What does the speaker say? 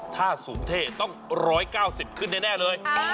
ถ้าสูงเท่ต้อง๑๙๐ขึ้นแน่เลย